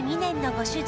ご主人